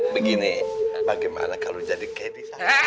begini bagaimana kalau jadi kedi